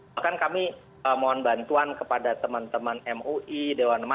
bahkan kami mohon bantuan kepada teman teman mui dewan negeri dan juga kebanyakan orang orang yang berpengalaman